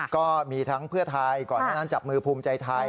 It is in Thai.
ก็มีทั้งเพื่อไทยก่อนหน้านั้นจับมือภูมิใจไทย